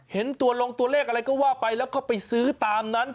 เห็นตัวลงตัวเลขอะไรก็ว่าไปแล้วก็ไปซื้อตามนั้น